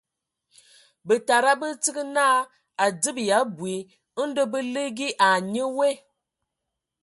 Bǝtada bə tsig naa a adzib ya abui. Ndɔ hm bə ligi ai nye we.